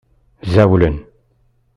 Zɛewlen.